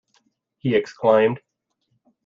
He exclaimed.